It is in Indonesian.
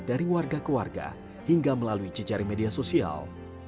dari warga kewarga hingga melalui cicari media sosial